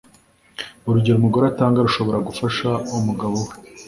urugero umugore atanga rushobora gufasha umugabo we